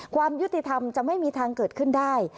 ความยุติธรรมจะไม่มีทางเกิดขึ้นได้